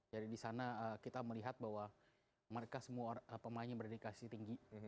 jadi di sana kita melihat bahwa mereka semua pemain yang berindikasi tinggi